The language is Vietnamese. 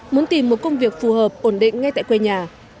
muốn tìm một công việc phù hợp ổn định ngay tại quê nhà